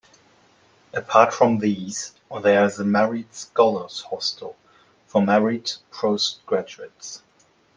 Apart from these, there is a married scholars hostel for married postgraduates.